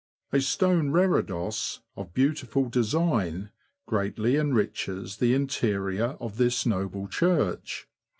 A stone reredos, of beautiful design, greatly enriches the interior of this noble church.